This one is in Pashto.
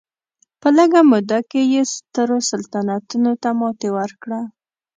په لږه موده کې یې سترو سلطنتونو ته ماتې ورکړه.